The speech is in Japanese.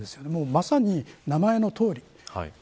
まさに名前のとおり。